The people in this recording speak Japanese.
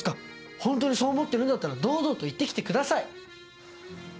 ホントにそう思ってるんだったら堂々と行ってきてください。